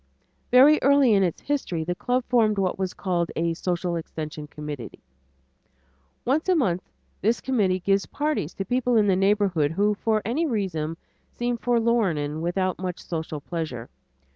Very early in its history the club formed what was called "A Social Extension Committee." Once a month this committee gives parties to people in the neighborhood who for any reason seem forlorn and without much social pleasure.